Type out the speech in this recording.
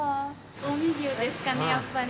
近江牛ですかね、やっぱり。